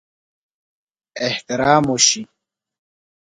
احترام وشي.